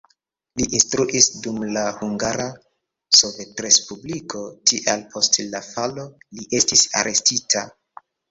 Li instruis dum la Hungara Sovetrespubliko, tial post la falo li estis arestita.